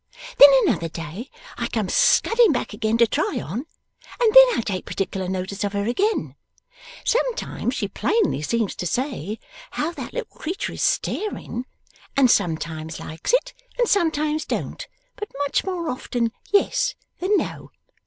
Then another day, I come scudding back again to try on, and then I take particular notice of her again. Sometimes she plainly seems to say, 'How that little creature is staring!' and sometimes likes it and sometimes don't, but much more often yes than no.